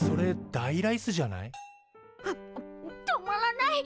あむ止まらない！